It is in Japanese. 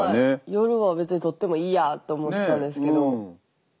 夜は別にとってもいいやって思っちゃうんですけど。